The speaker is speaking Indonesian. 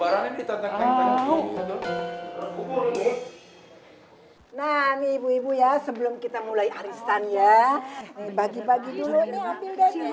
nah nih ibu ibu ya sebelum kita mulai arisannya bagi bagi dulu